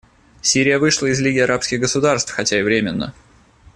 Сирия вышла из Лиги арабских государств, хотя и временно.